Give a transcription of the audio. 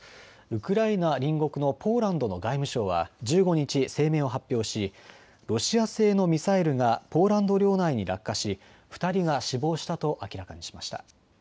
ウクライナ隣国のポーランドの外務省は１５日、声明を発表しロシア製のミサイルがポーランド領内に落下し２人が死亡したと明らかにしました。